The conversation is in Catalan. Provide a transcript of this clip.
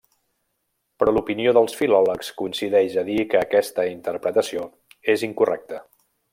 Però l'opinió dels filòlegs coincideix a dir que aquesta interpretació és incorrecta.